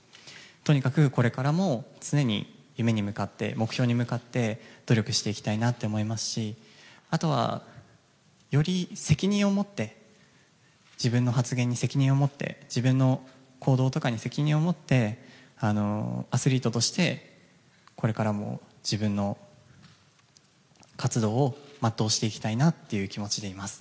とにかくこれからも常に夢に向かって目標に向かって努力していきたいなと思いますしあとは、より責任を持って自分の発言に責任を持って自分の行動とかに責任を持ってアスリートとしてこれからも自分の活動を全うしていきたいなという気持ちでいます。